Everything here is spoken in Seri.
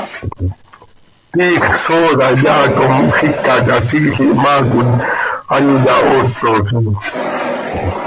Tiix sooda yaa com xicaquiziil ihmaa coi an iyahootosim.